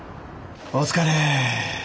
お疲れ。